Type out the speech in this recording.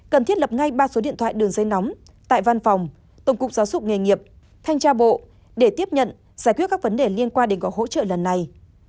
cần thiết lập ngay ba số điện thoại đường dây nóng tại văn phòng tổng cục giáo dục nghề nghiệp thanh tra bộ để tiếp nhận giải quyết các vấn đề liên quan đến gói hỗ trợ lần này